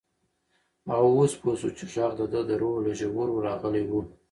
هغه اوس پوه شو چې غږ د ده د روح له ژورو راغلی و.